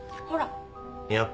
やっぱり。